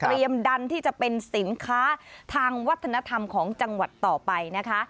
ดันที่จะเป็นสินค้าทางวัฒนธรรมของจังหวัดต่อไปนะคะ